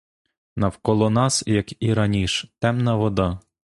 Навколо нас, як і раніш, темна вода.